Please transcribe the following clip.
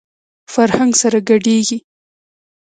فرهنګ سره ګډېږي.